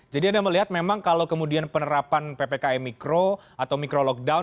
jadi anda melihat memang kalau kemudian penerapan ppkm micro atau micro lockdown